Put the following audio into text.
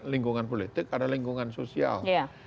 lingkungan politik ada lingkungan sosial